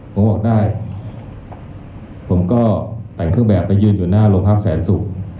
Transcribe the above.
ผมบอกได้ผมก็แต่งเครื่องแบบไปยืนอยู่หน้าโรงพักแสนสุก